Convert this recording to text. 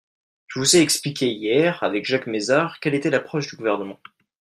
Je vous ai expliqué hier, avec Jacques Mézard, quelle était l’approche du Gouvernement.